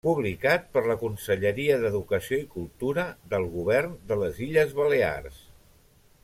Publicat per la Conselleria d'Educació i Cultura del Govern de les Illes Balears.